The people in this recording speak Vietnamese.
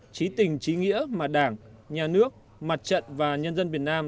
trí tình trí nghĩa mà đảng nhà nước mặt trận và nhân dân việt nam